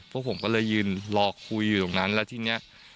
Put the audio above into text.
พวกผมก็เลยยืนรอคุยอยู่ตรงนั้นแล้วทีนี้